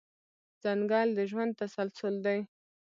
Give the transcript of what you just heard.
ځنګل د ژوند تسلسل دی.